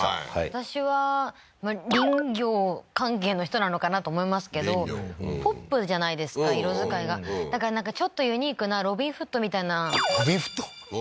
私は林業関係の人なのかなと思いますけど林業ポップじゃないですか色使いがだからなんかちょっとユニークなロビン・フッドみたいなロビン・フッド？